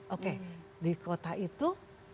oke di kota itu